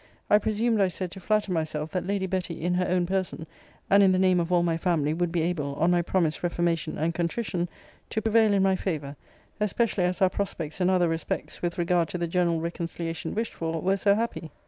I presumed, I said, to flatter myself that Lady Betty, in her own person, and in the name of all my family, would be able, on my promised reformation and contrition, to prevail in my favour, especially as our prospects in other respects with regard to the general reconciliation wished for were so happy.